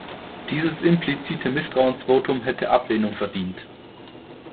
Dieses implizite Misstrauensvotum hätte Ablehnung verdient.